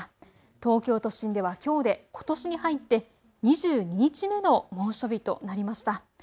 東京都心ではきょうでことしに入って２２日目の猛暑日となりました。